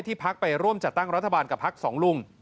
พักไปร่วมจัดตั้งรัฐบาลกับพักสองลุง